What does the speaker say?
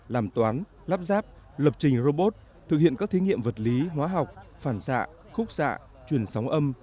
làm toán lắp ráp lập trình robot thực hiện các thí nghiệm vật lý hóa học phản xạ khúc xạ truyền sóng âm